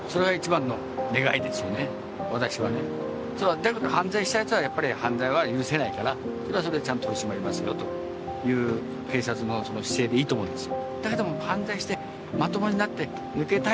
だけど犯罪したやつは、犯罪は許せないから、それはそれでちゃんと取り締まりますよという警察の姿勢でいいと思うんですよ。